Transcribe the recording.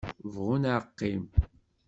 Bɣu neɣ qim.